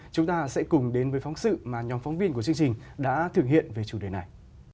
chúng ta sẽ cùng đến với phóng sự mà nhóm phóng viên của chương trình đã thực hiện về chủ đề này